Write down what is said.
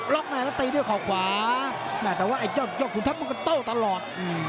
ล็อกในก็ตีด้วยขวาแต่ว่าไอ้เจ้าขุนทัพมันก็โต้ตลอด